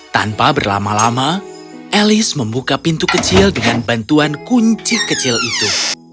tanpa berlama lama elis membuka pintu kecil dengan bantuan kunci kecil itu